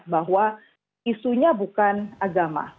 bahwa isunya bukan agama